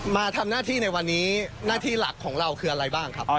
มาทำหน้าที่ในวันนี้หน้าที่หลักของเราคืออะไรบ้างครับ